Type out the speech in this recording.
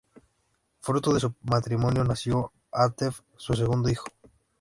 Fruto de su matrimonio nació Atef, su segundo hijo.